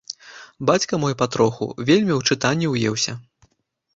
Бацька мой, патроху, вельмі ў чытанне ўеўся.